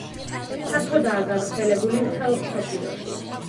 ფართოდაა გავრცელებული მთელ მსოფლიოში.